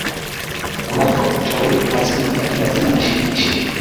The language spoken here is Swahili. kunacho mshauri rais mpya ni lazima ashirikishe